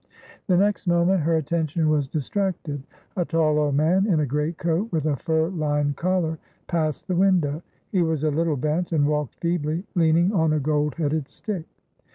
The next moment her attention was distracted; a tall old man in a great coat with a fur lined collar passed the window; he was a little bent and walked feebly, leaning on a gold headed stick.